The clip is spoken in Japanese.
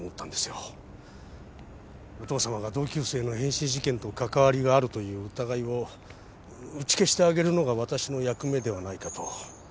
お父さまが同級生の変死事件とかかわりがあるという疑いを打ち消してあげるのがわたしの役目ではないかと。